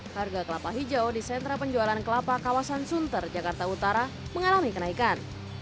harga kelapa hijau di sentra penjualan kelapa kawasan sunter jakarta utara mengalami kenaikan